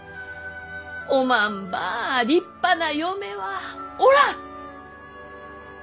おまんばあ立派な嫁はおらん！